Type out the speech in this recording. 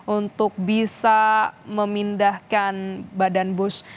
untuk bisa memindahkan badan bus